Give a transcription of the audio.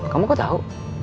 kamu kok tau